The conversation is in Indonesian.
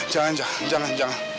jangan jangan jangan